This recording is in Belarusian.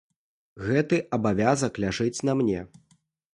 Гэты абавязак ляжыць на мне.